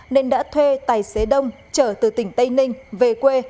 nên đã thuê tài xế đông trở từ tỉnh tây ninh về quê